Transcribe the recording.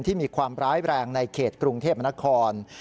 ที่มีความร้ายแรงในเขตกรุงเทพมนคร